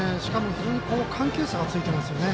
非常に緩急差がついてますね。